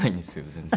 全然。